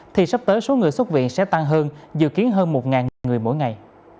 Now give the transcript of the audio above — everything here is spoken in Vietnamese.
thì sắp tới số người xuất viện sẽ tăng hơn dự kiến hơn một người mỗi ngày